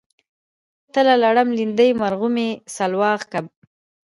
تله لړم لیندۍ مرغومی سلواغه کب